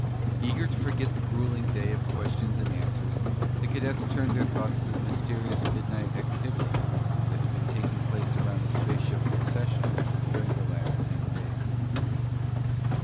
Eager to forget the grueling day of questions and answers, the cadets turned their thoughts to the mysterious midnight activity that had been taking place around the spaceship concession during the last ten days.